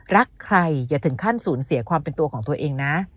รักใครอย่าถึงขั้นสูญเสียความเป็นตัวของตัวเองนะ